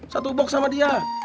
satu box sama dia